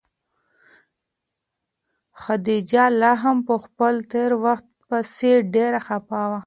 خدیجه لا هم په خپل تېر وخت پسې ډېره خفه وه.